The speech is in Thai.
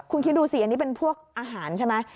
คุณคิดดูสิอันนี้เป็นพวกอาหารใช่ไหม